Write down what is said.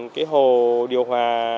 cái hồ điều hòa